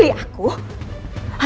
atau kamu pilih anak ini